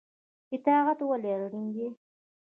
اطاعت ولې اړین دی؟